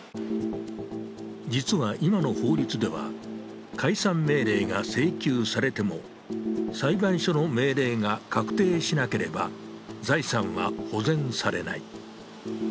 実は今の法律では、解散命令が請求されても裁判所の命令が確定しなければ、財産は保全されない。